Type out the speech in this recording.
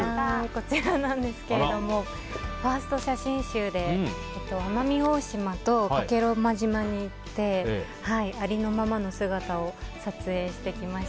こちらなんですけどファースト写真集で奄美大島と加計呂麻島に行ってありのままの姿を撮影してきました。